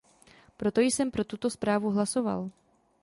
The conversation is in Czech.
Proto jsem pro tuto zprávu hlasoval.